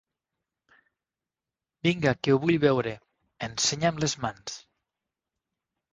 Vinga, que ho vull veure, ensenya'm les mans!